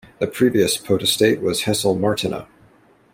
The previous potestate was Hessel Martena.